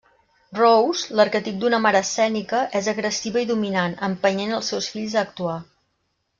Rose, l'arquetip d'una mare escènica, és agressiva i dominant, empenyent els seus fills a actuar.